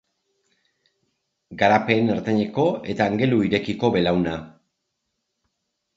Garapen ertaineko eta angelu irekiko belauna.